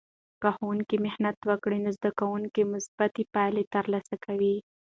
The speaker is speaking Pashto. که ښوونکی محنت وکړي، نو زده کوونکې مثبتې پایلې ترلاسه کوي.